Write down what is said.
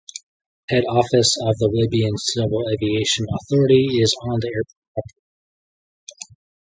The head office of the Libyan Civil Aviation Authority is on the airport property.